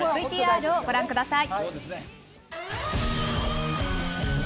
ＶＴＲをご覧ください。